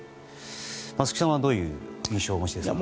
松木さんはどういう印象をお持ちですか？